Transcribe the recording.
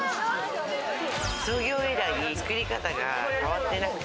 創業以来、作り方が変わってなくて。